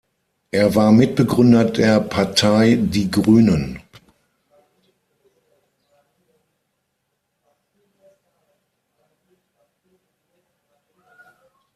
Er war Mitbegründer der Partei Die Grünen.